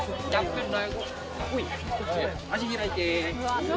足開いて。